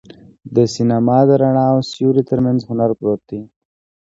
د سینما د رڼا او سیوري تر منځ هنر پروت دی.